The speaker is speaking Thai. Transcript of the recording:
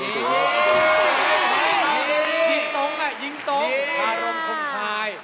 ยิงตรงอ่ะยิงตรงอารมณ์คงคลาย